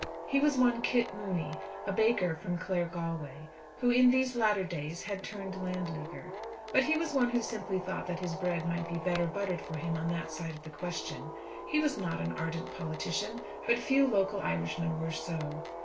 He was one Kit Mooney, a baker from Claregalway, who in these latter days had turned Landleaguer. But he was one who simply thought that his bread might be better buttered for him on that side of the question. He was not an ardent politician; but few local Irishmen were so.